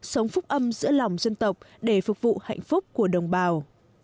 sống phúc âm giữa lòng dân tộc để phục vụ hạnh phúc của đồng bào